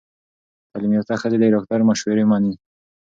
تعلیم یافته ښځې د ډاکټر مشورې مني۔